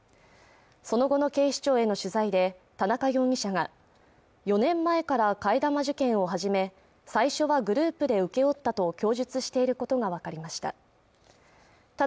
その後の警視庁への取材で田中容疑者が４年前から替え玉受検を始め最初はグループで請け負ったと供述していることが分かりました